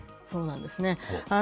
そうなんですね。